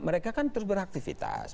mereka kan terus beraktifitas